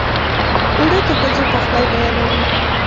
اوړه د ښځو پخلی بیانوي